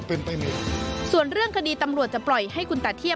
พ่อไม่เคยทำงานเลย